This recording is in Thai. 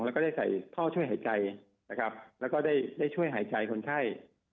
แล้วก็ได้ใส่ท่อช่วยหายใจนะครับแล้วก็ได้ช่วยหายใจคนไข้